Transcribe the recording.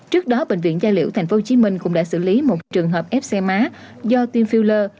trước đó bệnh viện gia liễu tp hcm cũng đã xử lý một trường hợp ép xe má do tiêm filler